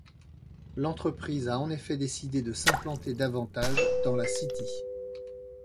L'entreprise a en effet décidé de s’implanter davantage dans La City.